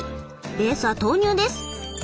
ベースは豆乳です。